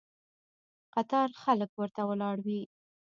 قطار خلک ورته ولاړ وي.